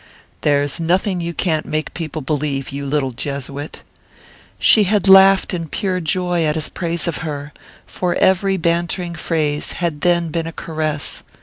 "There's nothing you can't make people believe, you little Jesuit!" She had laughed in pure joy at his praise of her; for every bantering phrase had then been a caress.